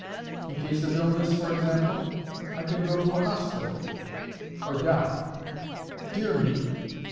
"In case of illness, for example?" "I can go to a hospital or die." "Dear me!